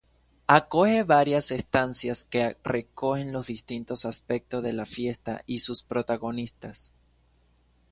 Acoge varias estancias que recogen los distintos aspectos de la fiesta y sus protagonistas.